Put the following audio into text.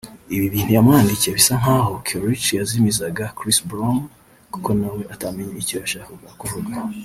Ibi bintu yamwandikiye bisa nkaho Karrueche yazimizaga Chris Brown kuko nawe atamenye icyo yashakaga kuvuga